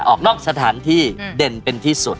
ออกนอกสถานที่เด่นเป็นที่สุด